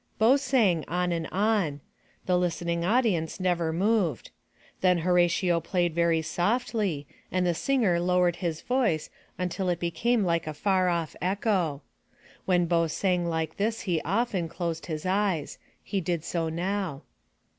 Bo sang on and on. The listening audience never moved. Then Horatio played very softly, and the singer lowered his voice until it became like a far off echo. When Bo sang like this he often closed his eyes. He did so now.